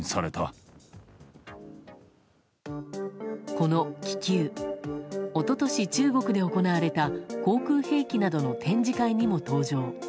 この気球一昨年、中国で行われた航空兵器などの展示会にも登場。